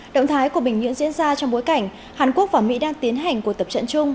động thái của bình nhưỡng diễn ra trong bối cảnh hàn quốc và mỹ đang tiến hành cuộc tập trận chung